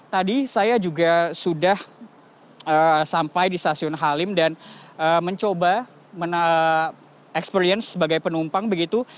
tadi saya juga sudah sampai di stasiun halim dan mencoba experience sebagai penumpang begitu